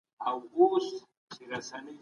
مینه یې له قوم سره ژوره وه